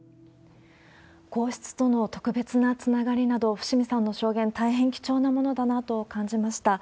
皇室との特別なつながりなど、伏見さんの証言、大変貴重なものだなと感じました。